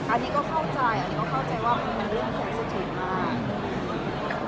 อันนี้ก็เข้าใจว่าคุณรู้สึกสถิติมาก